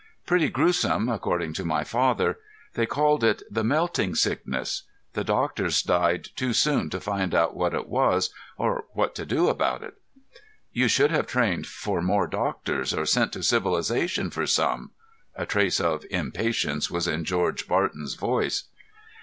"Pretty gruesome, according to my father. They called it the melting sickness. The doctors died too soon to find out what it was or what to do about it." "You should have trained for more doctors, or sent to civilization for some." A trace of impatience was in George Barton's voice.